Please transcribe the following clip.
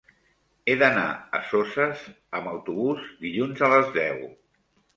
He d'anar a Soses amb autobús dilluns a les deu.